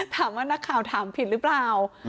ถามว่านักข่าวถามผิดหรือเปล่า